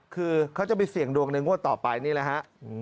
คือเขาจะไปเสี่ยงดวงในงวดต่อไปนี่แหละฮะ